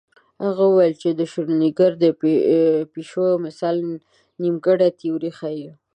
هغه ویل د شرودینګر د پیشو مثال نیمګړې تیوري ښيي.